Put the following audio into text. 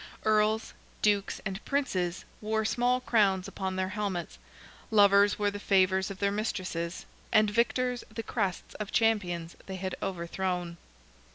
Earls, Dukes, and Princes, wore small crowns upon their helmets; lovers wore the favours of their mistresses; and victors the crests of champions they had overthrown.